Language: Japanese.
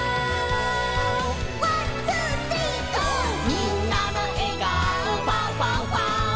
「みんなのえがおファンファンファン！」